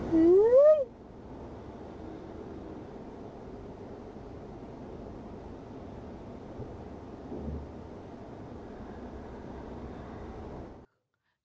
ฮัลโหล